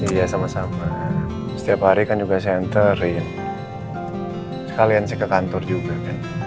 iya sama sama setiap hari kan juga senterin sekalian sih ke kantor juga kan